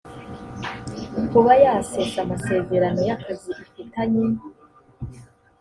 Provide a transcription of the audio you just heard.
kuba yasesa amasezerano y akazi ifitanye